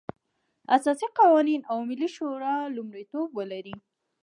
اساسي قانون او ملي شورا لومړيتوب ولري.